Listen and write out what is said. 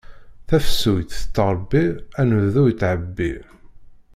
Tafsut tettṛebbi, anebdu ittɛebbi.